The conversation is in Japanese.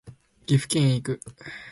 岐阜県へ行く